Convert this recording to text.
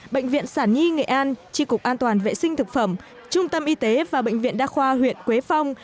bệnh viện sản nhi nghệ an tri cục an toàn vệ sinh thực phẩm trung tâm y tế và bệnh viện đa khoa huyện quế phong